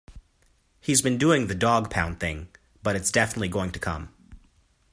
He's been doing the Dogg Pound thing, but it's definitely going to come.